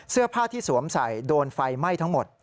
เสื้อผ้าที่สวมใส่โดนไฟไหม้ทั้งหมด